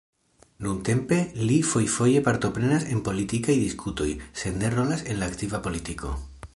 Nuntempe li fojfoje partoprenas en politikaj diskutoj, sed ne rolas en la aktiva politiko.